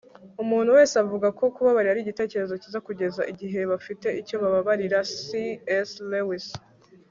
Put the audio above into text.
umuntu wese avuga ko kubabarira ari igitekerezo cyiza, kugeza igihe bafite icyo bababarira - c s lewis